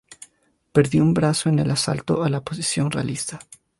Perdió un brazo en el asalto a la posición realista.